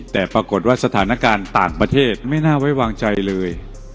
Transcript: แต่ปรากฏว่าสถานการณ์ต่างประเทศไม่น่าไว้วางใจเลย